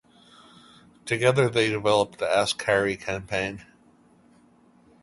Together, they developed the 'Ask Harry' campaign.